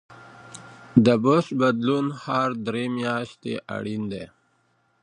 د برس بدلون هر درې میاشتې اړین دی.